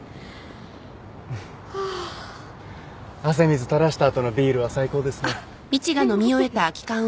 汗水垂らした後のビールは最高ですね。